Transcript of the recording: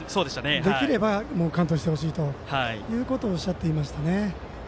できれば完投してほしいということをおっしゃっていましたね。